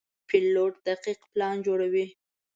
پیلوټ دقیق پلان جوړوي.